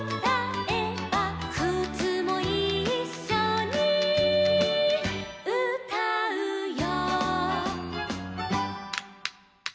「くつもいっしょにうたうよ」